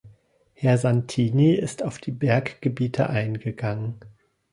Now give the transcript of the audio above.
Herr Santini ist auf die Berggebiete eingegangen.